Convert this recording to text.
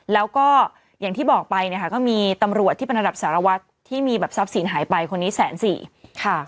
แล้วก็อย่างที่บอกไปก็มีตำรวจที่บรรดับสารวัฒน์ที่มีแบบทรัพย์ศีลหายไปคนนี้๑๔๐๐๐๐บาท